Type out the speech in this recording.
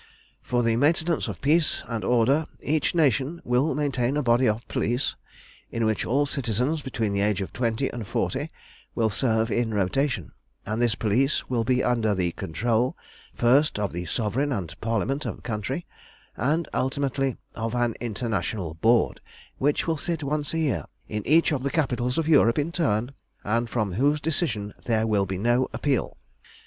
"For the maintenance of peace and order each nation will maintain a body of police, in which all citizens between the ages of twenty and forty will serve in rotation, and this police will be under the control, first of the Sovereign and Parliament of the country, and ultimately of an International Board, which will sit once a year in each of the capitals of Europe in turn, and from whose decision there will be no appeal.